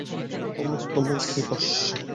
অমুক দিবস তমুক দিবস!